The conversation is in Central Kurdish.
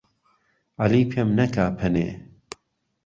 عهلی پێم نهکا پهنێ